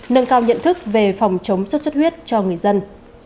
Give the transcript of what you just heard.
nâng cao nhận thức về phòng chống xuất xuất huyết cho người dân